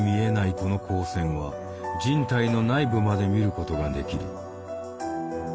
この光線は人体の内部まで見ることができる。